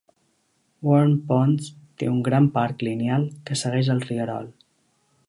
Waurn Ponds té un gran parc lineal que segueix el rierol.